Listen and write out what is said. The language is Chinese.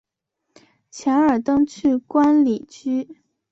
钱尔登去官里居。